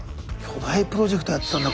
巨大プロジェクトやってたんだ